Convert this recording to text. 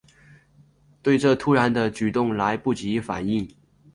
对这突然的举动来不及反应